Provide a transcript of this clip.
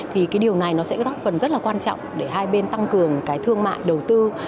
thì cái điều này nó sẽ góp phần rất là quan trọng để hai bên tăng cường cái thương mại đầu tư